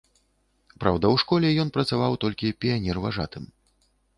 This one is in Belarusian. Праўда, у школе ён працаваў толькі піянерважатым.